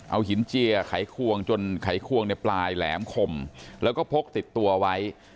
เอาหินเจียไขควงจนไขควงในปลายแหลมคมแล้วก็พกติดตัวไว้